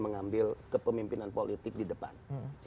mengambil kepemimpinan politik di depan